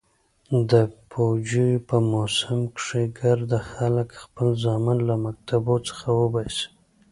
د پوجيو په موسم کښې ګرده خلك خپل زامن له مكتبو څخه اوباسي.